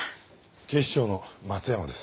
警視庁の松山です。